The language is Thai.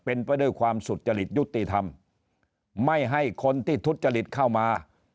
เป็นไปด้วยความสุจริตยุติธรรมไม่ให้คนที่ทุจริตเข้ามา